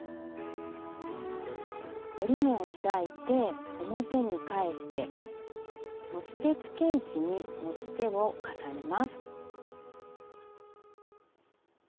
折り目を開いて表に返して持ち手つけ位置に持ち手を重ねます。